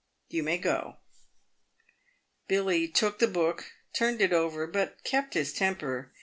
You may go." Billy took the book, turned it over, but kept his temper.